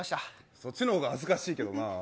そっちの方が恥ずかしいけどな。